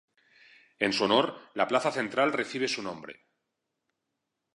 En su honor, la plaza central recibe su nombre.